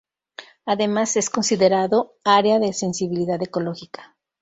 Además es considerado "área de sensibilidad ecológica".